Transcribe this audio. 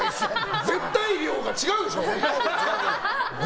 絶対量が違うでしょ！